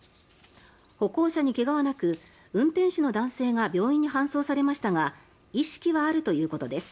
歩行者に怪我はなく運転手の男性が病院に搬送されましたが意識はあるということです。